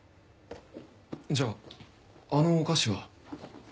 じゃああのお菓子は。